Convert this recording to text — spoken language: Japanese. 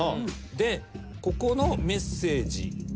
でここのメッセージ。